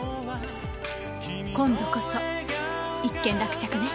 今度こそ一件落着ね。